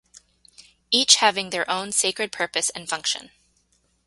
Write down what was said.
Each having their own sacred purpose and function.